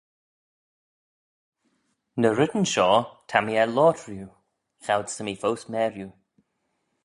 Ny reddyn shoh ta mee er loayrt riu, choud's ta mee foast meriu.